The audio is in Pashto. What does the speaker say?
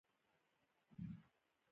دلته ادا ده له هر څه تللې